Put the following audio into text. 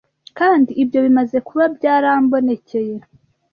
kandi ibyo bimaze kuba byarambonekeye